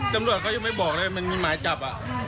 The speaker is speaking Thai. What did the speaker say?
จำรวจก็ยังไม่บอกเลยว่ามีหมายจับ